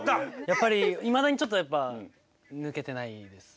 やっぱりいまだにちょっとやっぱ抜けてないです。